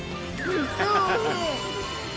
おいしい。